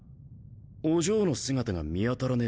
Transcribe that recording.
お嬢の姿が見当たらねえぜ。